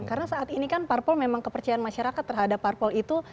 karena saat ini kan parpol memang kepercayaan masyarakat terhadap parpol itu